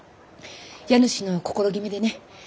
家主の心決めでね。